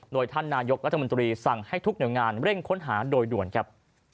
โดยท่านนายกรัฐมนตรีสั่งให้ทุกหน่วยงานเร่งค้นหาโดยด่วนครับ